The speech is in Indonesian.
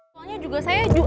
soalnya juga saya juga